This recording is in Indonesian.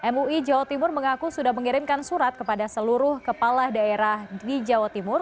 mui jawa timur mengaku sudah mengirimkan surat kepada seluruh kepala daerah di jawa timur